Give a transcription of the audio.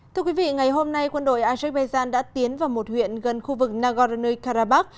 thưa quý vị ngày hôm nay quân đội azerbaijan đã tiến vào một huyện gần khu vực nagorno karabakh